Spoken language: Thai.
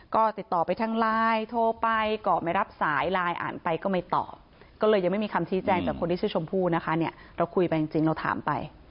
ก็ติดต่อไปทางไลน์โทรไปก็ไม่รับสายไลน์อ่านไปก็ไม่ตอบก็เลยยังไม่มีคำชี้แจงจากคนที่ชื่อชมพู่นะคะเนี่ยเราคุยไปจริงเราถามไป